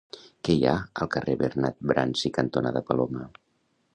Què hi ha al carrer Bernat Bransi cantonada Paloma?